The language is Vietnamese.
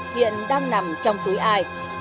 hiện đang nằm trong túi ai